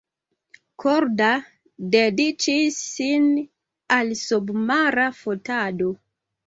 Korda dediĉis sin al submara fotado.